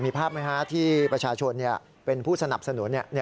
มีภาพไหมฮะที่ประชาชนเป็นผู้สนับสนุน